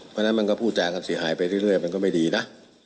เพราะฉะนั้นมันก็พูดจากันเสียหายไปเรื่อยมันก็ไม่ดีนะ